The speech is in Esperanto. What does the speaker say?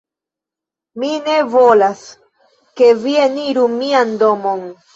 Mi ne volas, ke vi eniru mian domon